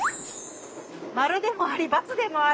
○でもあり×でもある。